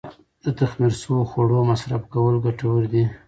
د تخمیر شوو خوړو مصرف کول ګټور دي.